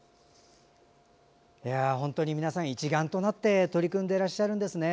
本当に皆さん一丸となって取り組んでいらっしゃるんですね。